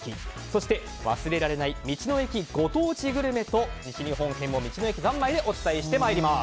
そして、忘れられない道の駅ご当地グルメと西日本編も道の駅三昧でお伝えしてまいります。